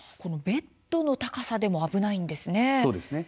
ベッドの高さでも危ないんですね。